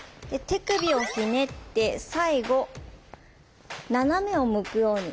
手首をひねって最後斜めをむくように。